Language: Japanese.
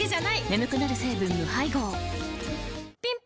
眠くなる成分無配合ぴん